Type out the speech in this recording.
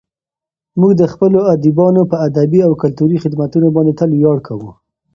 موږ د خپلو ادیبانو په ادبي او کلتوري خدمتونو باندې تل ویاړ کوو.